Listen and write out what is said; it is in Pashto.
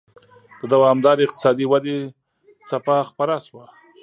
د دوامدارې اقتصادي ودې څپه خپره شوه.